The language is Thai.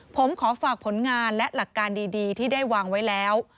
ผมขอฝากผลงานและหลักการดีที่ได้วางไว้แล้ว